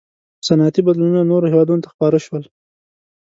• صنعتي بدلونونه نورو هېوادونو ته خپاره شول.